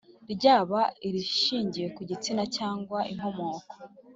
ryaba irishingiye ku gitsina cyangwa inkomoko